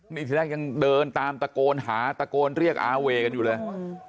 นี่ทีแรกยังเดินตามตะโกนหาตะโกนเรียกอาเวกันอยู่เลย